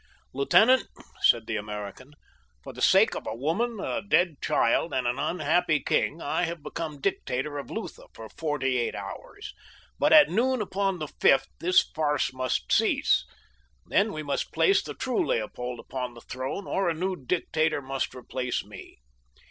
"Lieutenant," said the American, "for the sake of a woman, a dead child and an unhappy king I have become dictator of Lutha for forty eight hours; but at noon upon the fifth this farce must cease. Then we must place the true Leopold upon the throne, or a new dictator must replace me.